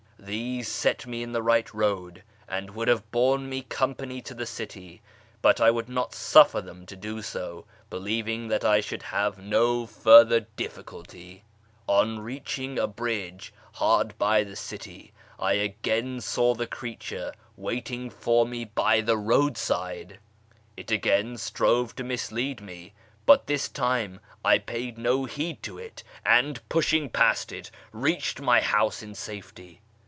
These set me in the right road, and would have borne me company to the city, but I would not suffer them to do so, believing that I should have no further difficulty. On reaching a bridge hard by the city, I again saw the creature waiting for me by the roadside : it again strove to mislead me, but this time I paid no heed to it, and, pushing past it, reached my house in safety.